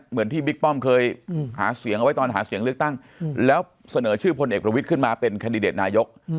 เหมือนที่บิ๊กป้อมเคยหาเสียงเอาไว้ตอนหาเสียงเลือกตั้งแล้วเสนอชื่อพลเอกประวิทย์ขึ้นมาเป็นแคนดิเดตนายก